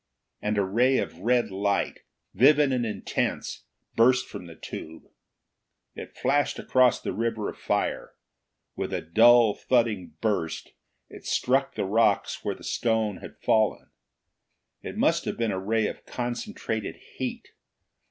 And a ray of red light, vivid and intense, burst from the tube. It flashed across the river of fire. With a dull, thudding burst it struck the rocks where the stone had fallen. It must have been a ray of concentrated heat.